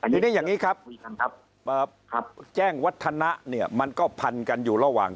ทีนี้อย่างนี้ครับแจ้งวัฒนะเนี่ยมันก็พันกันอยู่ระหว่าง